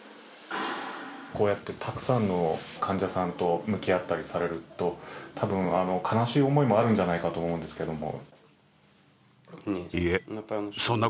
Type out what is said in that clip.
こうやってたくさんの患者さんと向き合ったりされると多分、悲しい思いもあるんじゃないかと思うんですけれども。